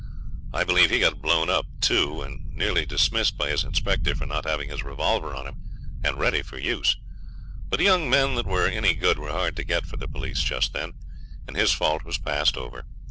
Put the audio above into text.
I believe he got blown up, too, and nearly dismissed by his inspector for not having his revolver on him and ready for use. But young men that were any good were hard to get for the police just then, and his fault was passed over.